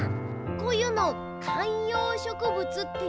こういうの「かんようしょくぶつ」っていうの？